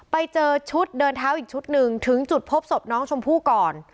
ไปเจอชุดเดินเท้าอีกชุดหนึ่งถึงจุดพบศพน้องชมพู่ก่อน